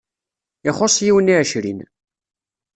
Ixuṣṣ yiwen i ɛecrin.